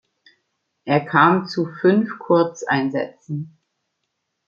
Er kam zu fünf Kurzeinsätzen.